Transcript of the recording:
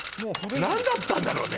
何だったんだろうね？